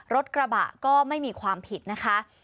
รถกระบะก็ไม่มีความผิดนะคะ